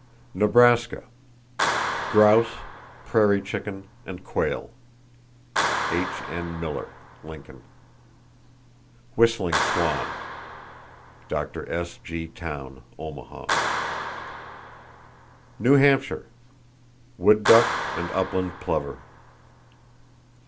Nebraska: Grouse, prairie chicken and quail.—(H.N. Miller, Lincoln.) Whistling swan.—(Dr. S.G. Towne, Omaha.) New Hampshire: Wood duck and upland plover.